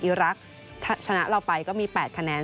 อิรักชนะเราไปก็มี๘คะแนน